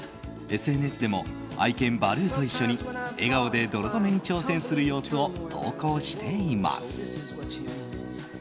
ＳＮＳでも愛犬バルーと一緒に笑顔で泥染めに挑戦する様子を投稿しています。